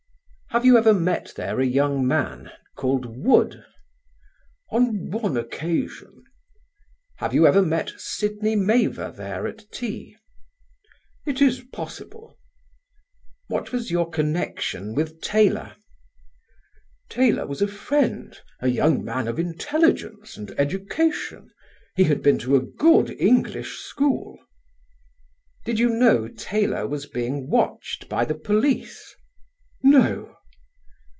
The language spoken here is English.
"Have you ever met there a young man called Wood?" "On one occasion." "Have you ever met Sidney Mavor there at tea?" "It is possible." "What was your connection with Taylor?" "Taylor was a friend, a young man of intelligence and education: he had been to a good English school." "Did you know Taylor was being watched by the police?" "No."